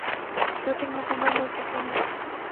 shooting مکمل ہوچکی ہے